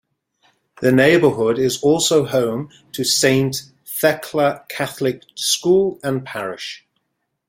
The neighborhood is also home to Saint Thecla Catholic School and Parish.